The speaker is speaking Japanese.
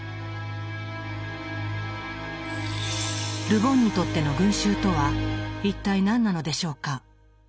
ル・ボンにとっての群衆とは一体何なのでしょうか？